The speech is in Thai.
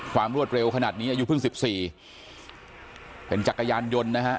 รวดเร็วขนาดนี้อายุเพิ่งสิบสี่เป็นจักรยานยนต์นะฮะ